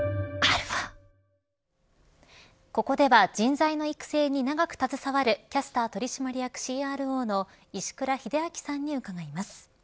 ここでは人材の育成に長く携わるキャスター取締役ＣＲＯの石倉秀明さんに伺います。